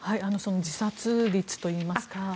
自殺率といいますか。